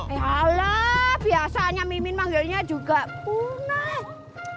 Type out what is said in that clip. ya allah biasanya mimin manggilnya juga punah